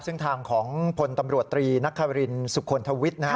ซึ่งทางของพลตำรวจตรีนักคารินสุคลทวิทย์นะฮะ